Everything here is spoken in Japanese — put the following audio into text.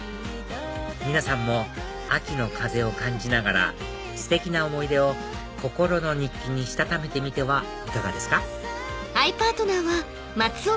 皆さんも秋の風を感じながらステキな思い出を心の日記にしたためてみてはいかがですか？